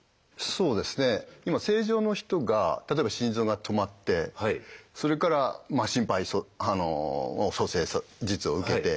そうですね今正常の人が例えば心臓が止まってそれから心肺蘇生術を受けて。